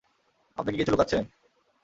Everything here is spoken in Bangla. আপনি কী কিছু লুকাচ্ছেন?